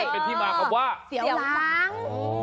เป็นที่มาคำว่าเสียวหลัง